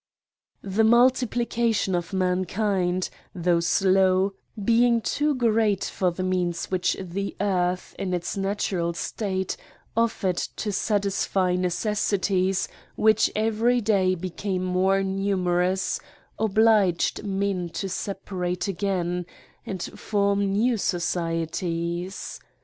The multiplication of mankind, though slotv, being too great, for the means which the earth, in its natural state, offered to satisfy necessities which every day became more numerous, obliged men to separate again, and form new societies.